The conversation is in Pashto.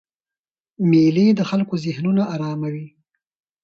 مېلې د خلکو ذهنونه آراموي.